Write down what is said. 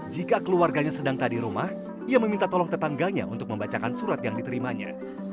jika keluarganya sedang tak di rumah ia meminta tolong tetangganya untuk membacakan surat yang diterimanya